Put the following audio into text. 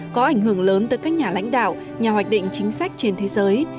có ảnh hưởng lớn tới các nhà lãnh đạo nhà hoạch định chính sách trên thế giới